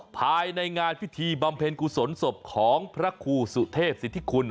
ภายในงานพิธีบำเพ็ญกุศลศพของพระครูสุเทพสิทธิคุณ